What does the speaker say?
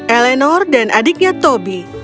eleanor dan adiknya toby